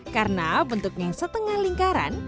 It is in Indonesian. karena bentuknya setengah lingkaran